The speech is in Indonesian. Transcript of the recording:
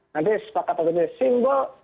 nanti sepakat sepakatnya simbol